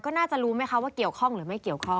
ก็น่าจะรู้ไหมคะว่าเกี่ยวข้องหรือไม่เกี่ยวข้อง